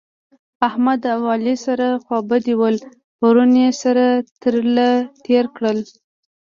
احمد او علي سره خوابدي ول؛ پرون يې سره تر له تېر کړل